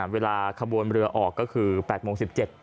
เวลาคบวนเรือออกก็คือ๘๑๗น